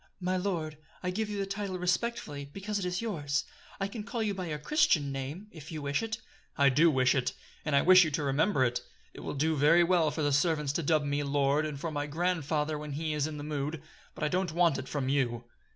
"My lord, I give you the title respectfully, because it is yours. I can call you by your Christian name, if you wish it." "I do wish it: and I wish you to remember it. It will do very well for the servants to dub me 'lord' and for my grandfather when he is in the mood; but I don't want it from you."